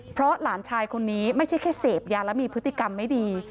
เพราะหลานชายคนนี้ไม่ใช่แค่เสพยาแล้วมีพฤติกรรมไม่ดี